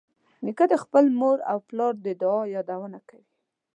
نیکه د خپلې مور او پلار د دعا یادونه کوي.